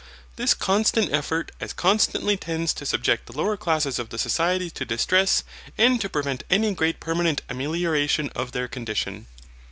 This constant effort as constantly tends to subject the lower classes of the society to distress and to prevent any great permanent amelioration of their condition.